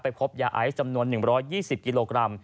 พบยาไอซ์จำนวน๑๒๐กิโลกรัม